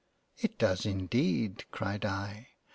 "it does indeed." (cried I.)